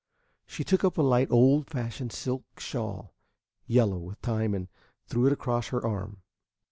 She took up a light old fashioned silk shawl, yellow with time, and threw it across her arm.